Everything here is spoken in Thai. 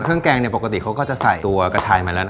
แกงเนี่ยปกติเขาก็จะใส่ตัวกระชายมาแล้วนะ